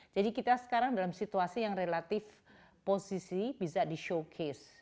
jadi kita sekarang dalam situasi yang relatif posisi bisa di showcase